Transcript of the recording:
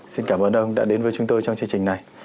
xin cảm ơn ông đã đến với chúng tôi trong chương trình này